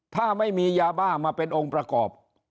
ถ้าไม่มียาบ้ามาเป็นองค์ประกอบ